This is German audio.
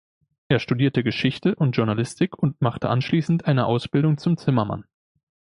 Er studierte Geschichte und Journalistik und machte anschließend eine Ausbildung zum Zimmermann.